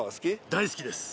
大好きです。